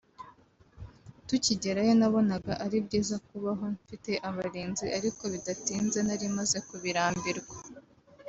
“Tukigerayo nabonaga ari byiza kubaho mfite abarinzi ariko bidatinze narimaze kubirambirwa